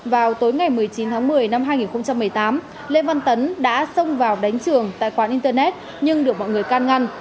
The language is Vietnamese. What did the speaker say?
vào tối ngày một mươi chín tháng một mươi năm hai nghìn một mươi tám lê văn tấn đã xông vào đánh trường tại quán internet nhưng được mọi người can ngăn